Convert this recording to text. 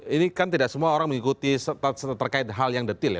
ini kan tidak semua orang mengikuti terkait hal yang detil ya